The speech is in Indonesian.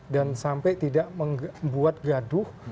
dan sampai tidak membuat gaduh